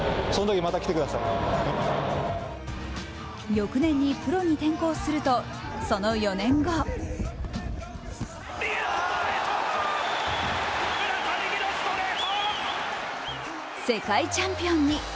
翌年にプロに転向すると、その４年後世界チャンピオンに。